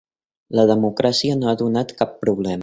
La democràcia no ha donat cap problema.